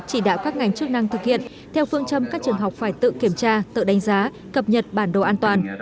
chỉ đạo các ngành chức năng thực hiện theo phương châm các trường học phải tự kiểm tra tự đánh giá cập nhật bản đồ an toàn